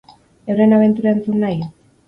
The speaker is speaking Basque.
Euren abentura entzun nahi?